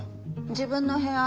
自分の部屋。